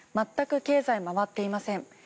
全く経済、回っていません。